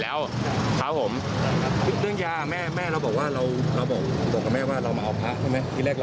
แล้วก็แทงน้องผมเสร็จ